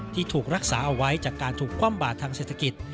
ที่ถูกรักษาเอาไว้จากการถูกคว่ำบาดทางเศรษฐกิจ